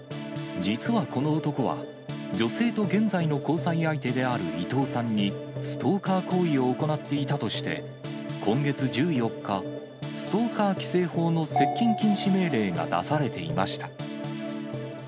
実はこの男は、女性と現在の交際相手である伊藤さんに、ストーカー行為を行っていたとして、今月１４日、ストーカー規制法の接近禁止命令が出されていました。